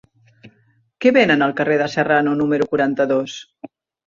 Què venen al carrer de Serrano número quaranta-dos?